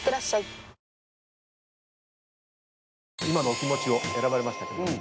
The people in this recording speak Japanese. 今のお気持ちを選ばれましたけど。